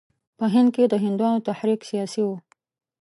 په هند کې د هندوانو تحریک سیاسي وو.